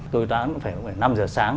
tôi toán phải năm giờ sáng